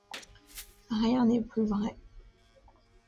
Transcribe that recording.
Rien n’est plus vrai.